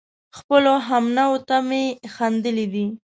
خپلو همنوعو ته مې خندلي دي